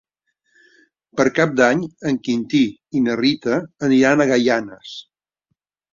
Per Cap d'Any en Quintí i na Rita aniran a Gaianes.